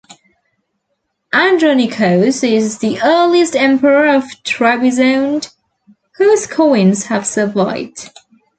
Andronikos is the earliest Emperor of Trebizond whose coins have survived.